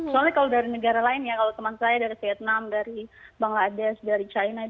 soalnya kalau dari negara lain ya kalau teman saya dari vietnam dari bangladesh dari china